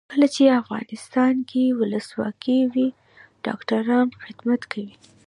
کله چې افغانستان کې ولسواکي وي ډاکټران خدمت کوي.